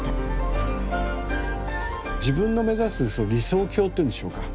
自分の目指す理想郷というんでしょうか。